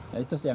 nah itu yang